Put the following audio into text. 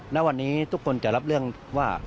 ณวันนี้ทุกคนจะรับเรื่องว่า